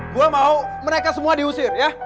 gue mau mereka semua diusir ya